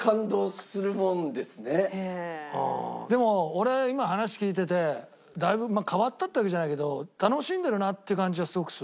でも俺今話聞いててだいぶ変わったってわけじゃないけど楽しんでるなって感じはすごくする。